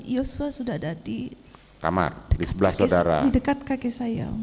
yosua sudah ada di dekat kaki saya